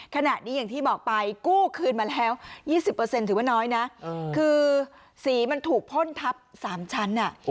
ขณะนี้อย่างที่บอกไปกู้คืนมาแล้ว๒๐ถือว่าน้อยนะคือสีมันถูกพ่นทับ๓ชั้น